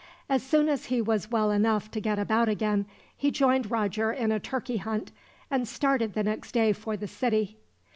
As soon as he was well enough to get about again, he joined Roger in a turkey hunt, and started the next day for the city.